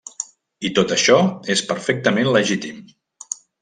I tot això és perfectament legítim.